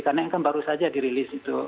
karena kan baru saja dirilis